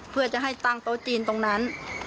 เพื่อจะให้ตั้งโต๊ะจีนตรงนั้น